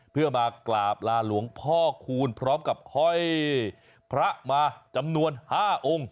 เพื่อมากราบลาหลวงพ่อคูณพร้อมกับห้อยพระมาจำนวน๕องค์